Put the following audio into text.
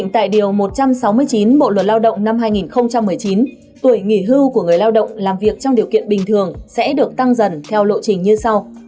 tại điều một trăm sáu mươi chín bộ luật lao động năm hai nghìn một mươi chín tuổi nghỉ hưu của người lao động làm việc trong điều kiện bình thường sẽ được tăng dần theo lộ trình như sau